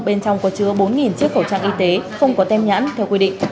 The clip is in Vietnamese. bên trong có chứa bốn chiếc khẩu trang y tế không có tem nhãn theo quy định